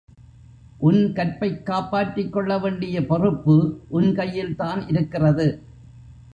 உன் கற்பைக் காப்பாற்றிக்கொள்ள வேண்டிய பொறுப்பு உன் கையில்தான் இருக்கிறது.